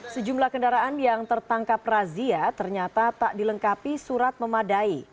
sejumlah kendaraan yang tertangkap razia ternyata tak dilengkapi surat memadai